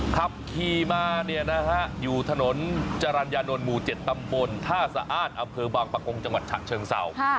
ขับขี่มาอยู่ทะนจรรยานนวลหมู่๗ตำบลท่าสะอาดอบประโกงจังหวัดฉะเชิงเศร้า